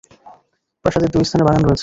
প্রাসাদের দুই স্থানে বাগান রয়েছে।